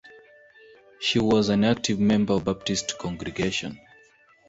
She was an active member of Baptist congregation.